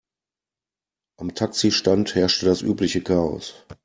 Am Taxistand herrschte das übliche Chaos.